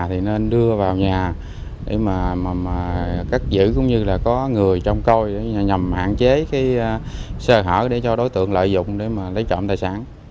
thì nên đưa vào nhà để mà cắt giữ cũng như là có người trong coi nhằm hạn chế xe hởi để cho đối tượng lợi dụng để mà lấy chọn tài sản